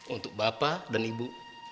untuk bapak dan ibu